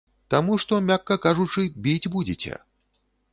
Таму што, мякка кажучы, біць будзеце.